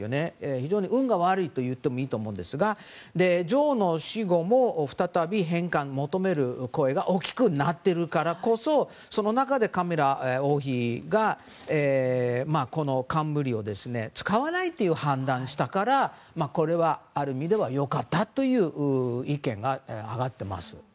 非常に運が悪いと言ってもいいと思うんですが女王の死後も再び返還、求める声が大きくなっているからこそその中でカミラ王妃がこの冠を使わないという判断をしたからこれはある意味では良かったという意見が挙がっています。